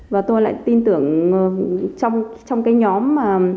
và tôi lại tin tưởng trong cái nhóm mà